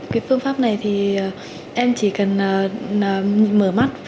cái phương pháp này thì em chỉ cần mở mắt và nhìn vào đèn chấp màu xanh thôi còn việc căng tức mắt thì không có